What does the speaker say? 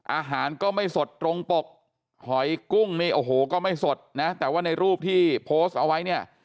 อาหารก็ไม่สดตรงปกหอยกุ้งนี่โอ้โหก็ไม่สดนะแต่ว่าในรูปที่โพสต์เอาไว้เนี่ย